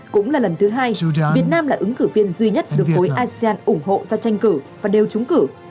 cũng là lần thứ hai việt nam là ứng cử viên duy nhất được khối asean ủng hộ ra tranh cử và đều trúng cử